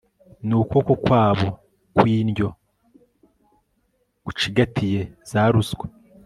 n'ukuboko kwabo kw'indyo gucigatiye za ruswa